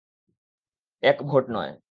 এক ভোট নয়।